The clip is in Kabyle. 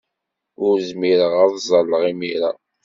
Ur zmireɣ ad ẓẓalleɣ imir-a.